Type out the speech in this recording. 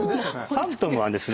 ファントムはですね